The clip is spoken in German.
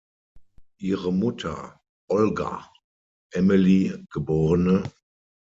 Ihre Mutter, Olga Emily geb.